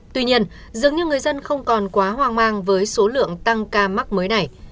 tuy nhiên dường như người dân không còn quá hoang mang với số lượng tăng ca mắc mới này